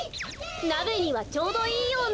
なべにはちょうどいいような。